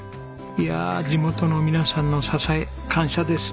いや地元の皆さんの支え感謝です。